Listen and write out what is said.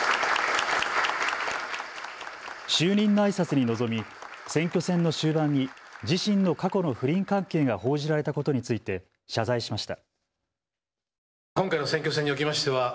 就任のあいさつに臨み選挙戦の終盤に自身の過去の不倫関係が報じられたことについて謝罪しました。